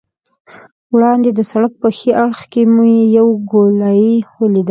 وړاندې د سړک په ښي اړخ کې مې یوه ګولایي ولیدل.